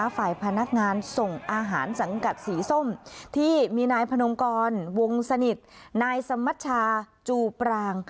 ฝ่ายพนักงานส่งอาหารสังกัดสีส้มที่มีนายพนมกรวงสนิทนายสมชาจูปราง